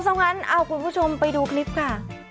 ซะงั้นเอาคุณผู้ชมไปดูคลิปค่ะ